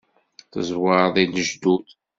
Tezwareḍ i lejdud.